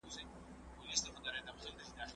ما هغه کتاب په خپل ټولګي کي واخیست.